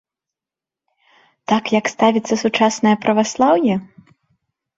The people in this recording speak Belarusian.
Так, як ставіцца сучаснае праваслаўе?